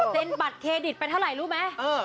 เซ็นบัตรเครดิตเป็นเท่าไรรู้มั้ย